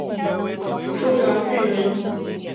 珠崖郡人。